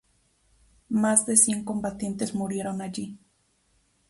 Más de cien combatientes murieron allí.